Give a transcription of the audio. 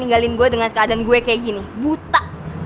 tinggalin gue dengan keadaan gue kayak gini buta